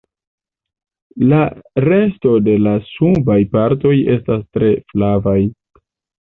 La resto de la subaj partoj estas tre flavaj.